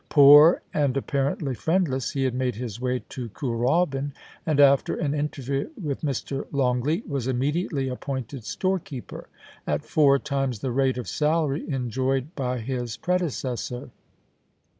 Poor, and apparently friendless, he had made his way to Kooralbyn, and after an interview with Mr. Longleat, was immediately appointed storekeeper, at four times the rate of salary enjoyed by his predecessor.